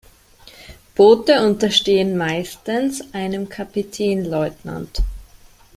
Boote unterstehen meistens einem Kapitänleutnant.